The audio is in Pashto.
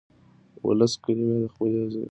ولس کلمې د خپل ذوق سره سموي.